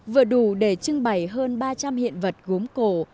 vừa đủ để trưng bày hơn ba trăm linh hiện vật gốm cổ